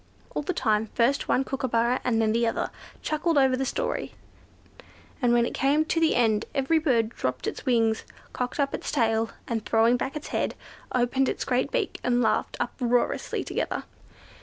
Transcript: All the time, first one kookooburra, and then another, chuckled over the story, and when it came to an end every bird dropped its wings, cocked up its tail, and throwing back its head, opened its great beak, and laughed uproariously together.